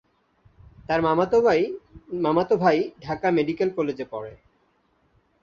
তার মামাতো ভাই ঢাকা মেডিকেল কলেজে পড়ে।